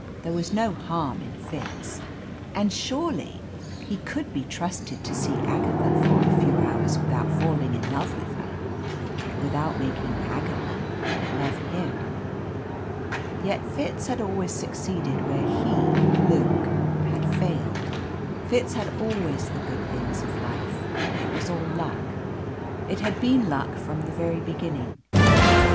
There was no harm in Fitz, and surely he could be trusted to see Agatha for a few hours without falling in love with her, without making Agatha love him. Yet Fitz had always succeeded where he, Luke, had failed. Fitz had always the good things of life. It was all luck. It had been luck from the very beginning.